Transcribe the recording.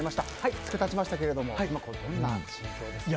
２日経ちましたが今どんな心境ですか？